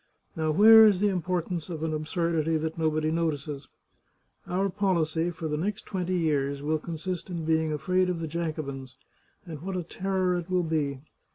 Now where is the importance of an absurdity that nobody notices ? Our policy for the next twenty years will consist in being afraid of the Jacobins, and what a terror it will be!